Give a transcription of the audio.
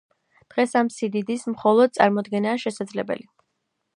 დღეს ამ სიდიდის მხოლოდ წარმოდგენაა შესაძლებელი.